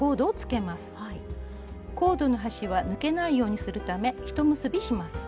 コードの端は抜けないようにするためひと結びします。